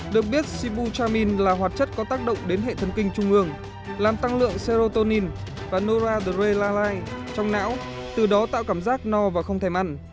được biết sibu chamin là hoạt chất có tác động đến hệ thần kinh trung ương làm tăng lượng seorotonin và noralai trong não từ đó tạo cảm giác no và không thể ăn